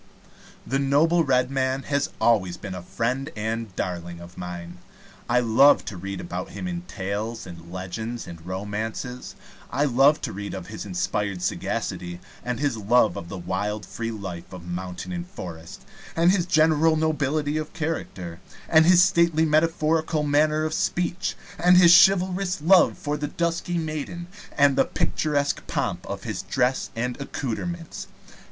The noble Red Man has always been a friend and darling of mine. I love to read about him in tales and legends and romances. I love to read of his inspired sagacity, and his love of the wild free life of mountain and forest, and his general nobility of character, and his stately metaphorical manner of speech, and his chivalrous love for the dusky maiden, and the picturesque pomp of his dress and accoutrements.